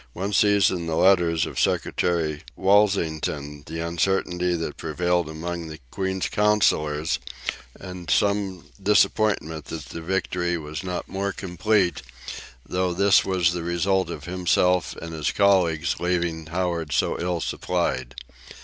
One sees in the letters of Secretary Walsingham the uncertainty that prevailed among the Queen's counsellors, and some disappointment that the victory was not more complete, though this was the result of himself and his colleagues leaving Howard so ill supplied.